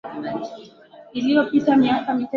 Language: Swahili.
Na tayari mnamo elfumoja miatisa arobaini na nne